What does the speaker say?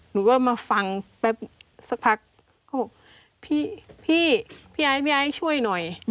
หนูก็มาฟังแป๊บสักพักเขาบอกพี่พี่ไอ้พี่ไอ้ช่วยหน่อย